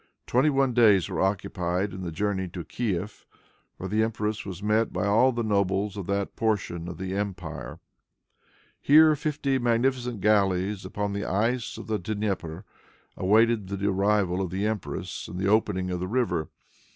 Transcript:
Twenty one days were occupied in the journey to Kief, where the empress was met by all the nobles of that portion of the empire. Here fifty magnificent galleys, upon the ice of the Dnieper, awaited the arrival of the empress and the opening of the river.